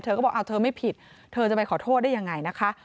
ก็บอกเธอไม่ผิดเธอจะไปขอโทษได้ยังไงนะคะ